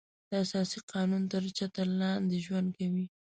د اساسي قانون تر چتر لاندې ژوند کوي.